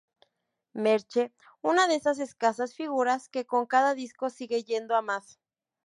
Merche: una de esas escasas figuras que con cada disco sigue yendo a más.